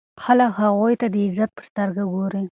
خلک هغوی ته د عزت په سترګه ګوري.